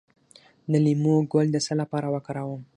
د لیمو ګل د څه لپاره وکاروم؟